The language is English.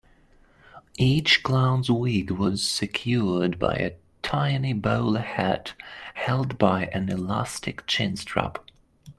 Each clown's wig was secured by a tiny bowler hat held by an elastic chin-strap.